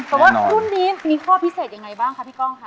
แต่ว่าคุณนี้มีข้อพิเศษอย่างไรบ้างพี่ก้องค่ะ